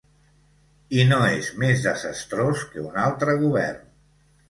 I no és més desastrós que un altre govern.